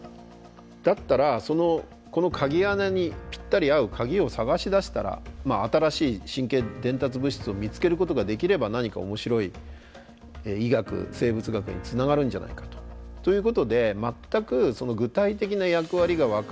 だったらこの鍵穴にぴったり合う鍵を探し出したら新しい神経伝達物質を見つけることができれば何か面白い医学生物学につながるんじゃないかと。ということで全く具体的な役割が分からない